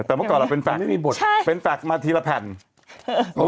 แต่เมื่อก่อนเราเป็นแฟนไม่มีบทใช่เป็นแฟลคมาทีละแผ่น